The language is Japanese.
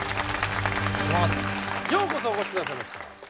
ようこそお越しくださいました。